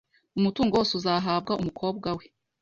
Umutungo wose uzahabwa umukobwa we .